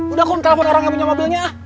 udah kok telepon orang yang punya mobilnya